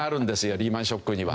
リーマンショックには。